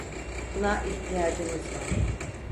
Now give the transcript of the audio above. Buna ihtiyacımız var.